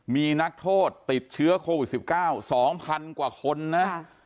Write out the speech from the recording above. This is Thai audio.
มีนักโทษติดเชื้อโควิด๑๙๒๐๐๐กว่าคนนะ